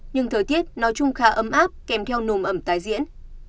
nhưng thời tiết nói chung khá ấm áp kèm theo nồm ẩm tái diễn